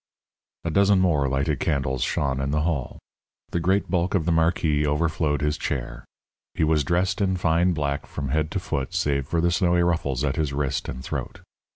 A dozen more lighted candles shone in the hall. The great bulk of the marquis overflowed his chair. He was dressed in fine black from head to foot save for the snowy ruffles at his wrist and throat.